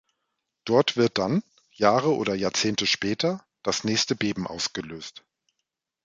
Dort wird dann, Jahre oder Jahrzehnte später, das nächste Beben ausgelöst.